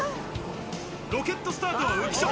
ロケットスタートは浮所。